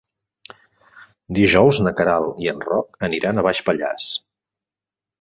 Dijous na Queralt i en Roc aniran a Baix Pallars.